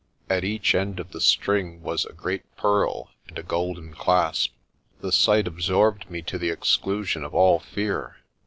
At each end of the string was a great pearl and a golden clasp. The sight absorbed me to the exclusion of all fear.